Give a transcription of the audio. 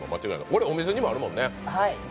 これ、お店にもあるもんね。